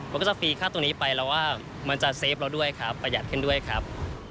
มันก็จะฟรีค่าตรงนี้ไปแล้วว่ามันจะเฟฟเราด้วยครับประหยัดขึ้นด้วยครับ